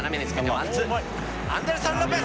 アンデルソンロペス！